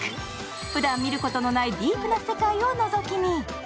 ふだん見ることのないディープな世界をのぞき見。